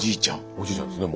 おじいちゃんですね。